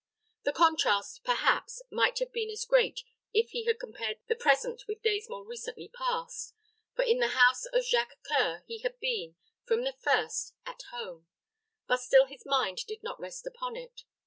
The contrast, perhaps, might have been as great if he had compared the present with days more recently passed; for in the house of Jacques C[oe]ur he had been, from the first, at home; but still his mind did not rest upon it.